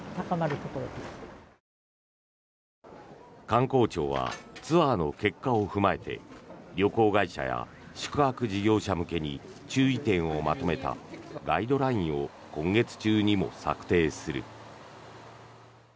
観光庁はツアーの結果を踏まえて旅行会社や宿泊事業者向けに注意点をまとめたガイドラインを今月中にも策定する。